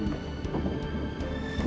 tubuh dialergi ii dan mengharu